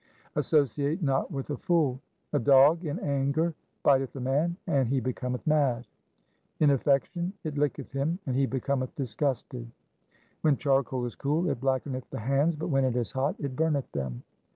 2 Associate not with a fool :— A dog in anger biteth a man and he becometh mad. In affection it licketh him and he becometh disgusted. When charcoal is cool it blackeneth the hands, but when it is hot it burneth them.